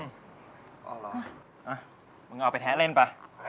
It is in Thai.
เอ้ามึงเอาไปแท้เล่นป่ะ